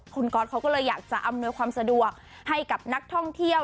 คุณก๊อตเขาก็เลยอยากจะอำนวยความสะดวกให้กับนักท่องเที่ยว